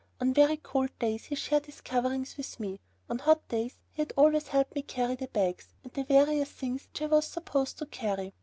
On very cold days he shared his coverings with me, on hot days he had always helped me carry the bags, and the various things which I was supposed to carry.